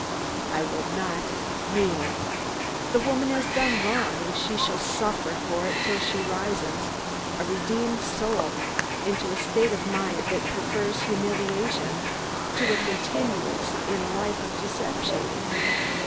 I will not yield. The woman has done wrong; and she shall suffer for it till she rises, a redeemed soul, into a state of mind that prefers humiliation to a continuance in a life of deception.